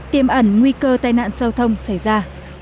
tiêm ẩn nguy cơ tai nạn giao thông xảy ra